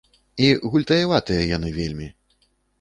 І гультаяватыя яны вельмі.